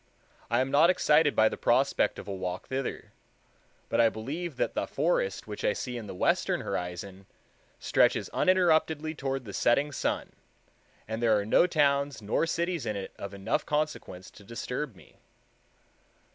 I am not excited by the prospect of a walk thither; but I believe that the forest which I see in the western horizon stretches uninterruptedly toward the setting sun, and there are no towns nor cities in it of enough consequence to disturb me.